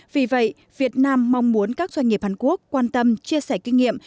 vì vậy việt nam mong muốn các doanh nghiệp hàn quốc quan tâm chia sẻ kinh nghiệm